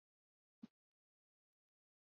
لیکن جیس جیس دوڑ گ ، چلتے گ ویس ویس ت دھ گئی